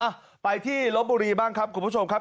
อ่ะไปที่ลบบุรีบ้างครับคุณผู้ชมครับ